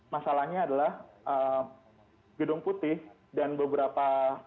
masalahnya adalah gedung putih dan beberapa